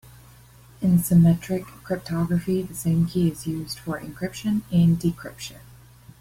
In symmetric cryptography the same key is used for encryption and decryption.